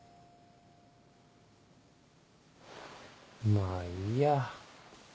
まぁいいや。